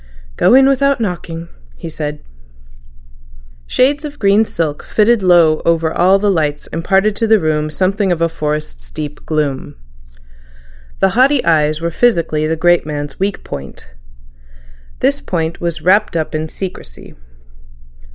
"Go in without knocking," he said. Shades of green silk fitted low over all the lights imparted to the room something of a forest's deep gloom. The haughty eyes were physically the great man's weak point. This point was wrapped up in secrecy.